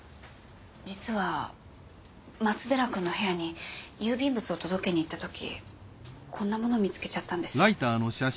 実は松寺君の部屋に郵便物を届けにいったときこんなもの見つけちゃったんです。